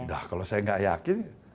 nah kalau saya gak yakin